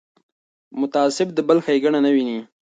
متعصب د بل ښېګڼه نه ویني